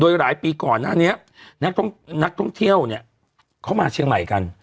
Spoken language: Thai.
โดยหลายปีก่อนหน้านี้นักท่องเที่ยวเนี่ยเขามาเชียงใหม่กัน